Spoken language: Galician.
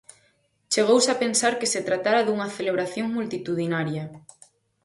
Chegouse a pensar que se tratara dunha celebración multitudinaria.